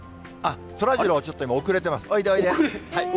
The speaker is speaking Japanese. そらジロー、ちょっと今、遅れてます、おいで、おいで。